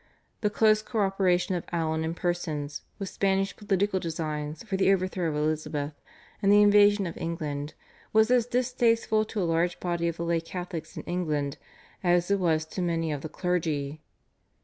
The close co operation of Allen and Persons with Spanish political designs for the overthrow of Elizabeth and the invasion of England was as distasteful to a large body of the lay Catholics in England as it was to many of the clergy.